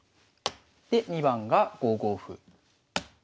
で２番が５五歩。